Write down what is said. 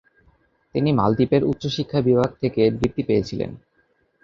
তিনি মালদ্বীপের উচ্চ শিক্ষা বিভাগ থেকে বৃত্তি পেয়েছিলেন।